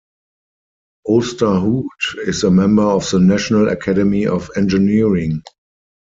Ousterhout is a member of the National Academy of Engineering.